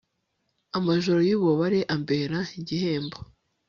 amajoro y'ububabare ambera igihembo